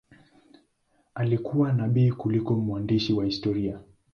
Alikuwa nabii kuliko mwandishi wa historia.